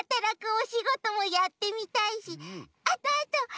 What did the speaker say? おしごともやってみたいしあとあと